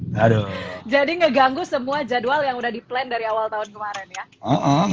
jadi ngeganggu semua jadwal yang udah di plan dari awal tahun kemarin ya